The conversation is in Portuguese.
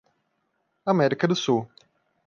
América do Sul.